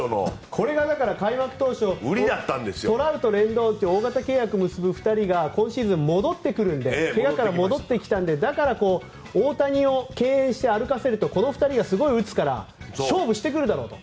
これが開幕当初トラウト、レンドンという大型契約を結ぶ２人が今シーズン、戻ってくるので契約から戻ってきたのでだから大谷を敬遠して歩かせるとこの２人がすごく打つから勝負してくるだろうと。